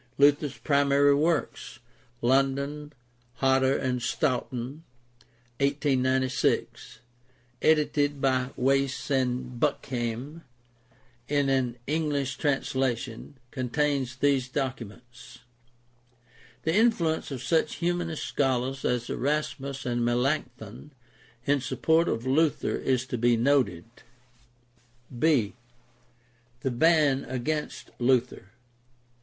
Luther's Primary Works (London: Hodder & Stoughton, 1896), edited by Wace and Buckheim in an English trans lation, contains these documents. The influence of such Humanist scholars as Erasmus and Melanchthon in sup port of Luther is to be noted. b) The ban against Luther.